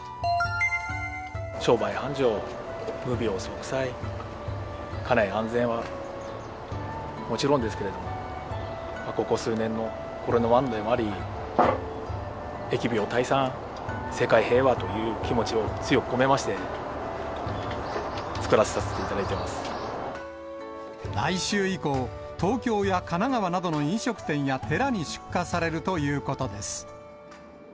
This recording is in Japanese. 商売繁盛、無病息災、家内安全はもちろんですけれども、ここ数年のコロナ問題もあり、疫病退散、世界平和という気持ちを強く込めまして、来週以降、東京や神奈川などの飲食店や寺に出荷されるということです。